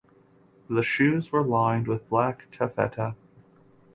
The shoes were lined with black taffeta.